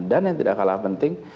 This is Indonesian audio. dan yang tidak kalah penting